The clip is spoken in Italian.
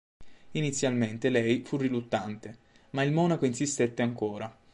Inizialmente lei fu riluttante, ma il monaco insistette ancora.